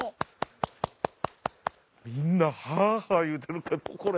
みんなハァハァ言うてるけどこれ。